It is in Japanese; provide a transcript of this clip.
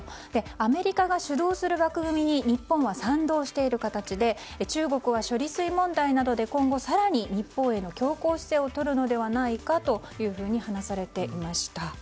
アメリカが主導する枠組みに日本は賛同している形で中国は処理水問題などで今後更に日本への強硬姿勢をとるのではないかと話されていました。